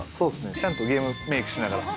ちゃんとゲームメイクしながら。